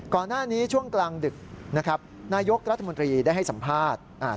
ก่อนหน้านี้ช่วงกลางดึกนะครับนายกรัฐมนตรีได้ให้สัมภาษณ์